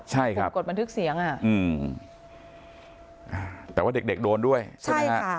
ใช่ครับอือแต่ว่าเด็กโดนด้วยใช่ไหมคะใช่ค่ะ